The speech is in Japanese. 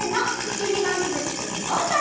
しじまみずきくん４さいから。